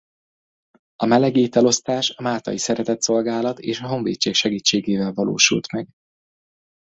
A meleg étel osztás a Máltai Szeretetszolgálat és a Honvédség segítségével valósult meg.